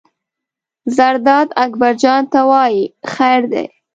زرداد اکبر جان ته وایي: خیر دی.